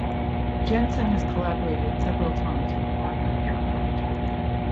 Jensen has collaborated several times with Werner Erhard.